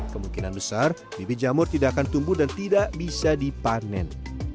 kemungkinan besar bibit jamur tidak akan tumbuh dan tidak bisa dipanen